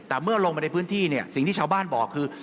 แต่เมื่อลงไปในพื้นที่เนี่ยสิ่งที่ชาวบ้านบอกคือ